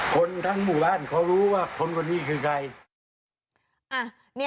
คนทั้งหมู่บ้านเขารู้ว่าคนคนนี้คือใคร